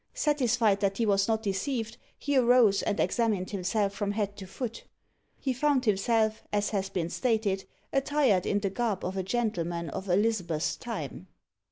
Satisfied that he was not deceived, he arose and examined himself from head to foot. He found himself, as has been stated, attired in the garb of a gentleman of Elizabeth's time.